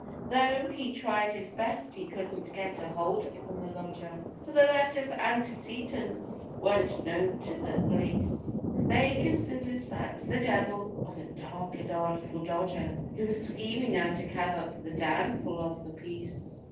Tho' he tried his best, he couldn't get a hold upon the lodger, For the latter's antecedents weren't known to the police They considered that the 'devil' was a dark and artful dodger Who was scheming under cover for the downfall of the peace.